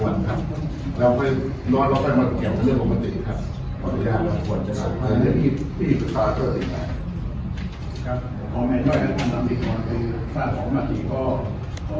รักษาภาพได้อีกแล้วไม่จำเป็นว่าที่สำเร็จต่อไปไม่ใช่หน้าที่ของผม